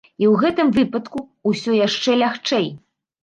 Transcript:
І ў гэтым выпадку ўсё яшчэ лягчэй.